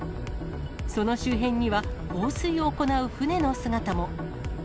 その周辺には、放水を行う船の姿も。